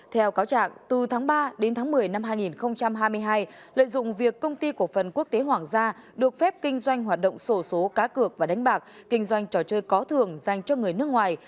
theo cáo trạng từ tháng ba đến tháng một mươi năm hai nghìn hai mươi hai lợi dụng việc công ty cổ phần quốc tế hoàng gia được phép kinh doanh hoạt động sổ số cá cược và đánh bạc kinh doanh trò chơi có thường dành cho người nước ngoài